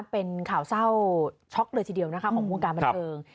เป็นข่าวเศร้าช็อกเลยทีเดียวนะคะของวงการบันเทิง